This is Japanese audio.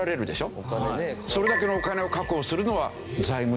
それだけのお金を確保するのは財務省。